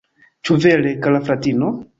Ĉu vere, kara fratino?